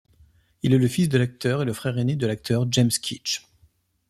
Il est le fils de l'acteur et le frère ainé de l'acteur James Keach.